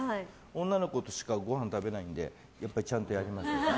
女の子としかご飯食べないんでやっぱりちゃんとやります。